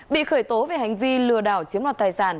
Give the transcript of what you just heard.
bị khởi tố về hành vi lừa đảo chiếm đoạt tài sản